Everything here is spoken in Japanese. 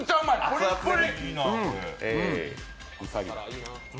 プリップリ！